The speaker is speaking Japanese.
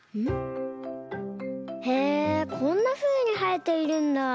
へえこんなふうにはえているんだ！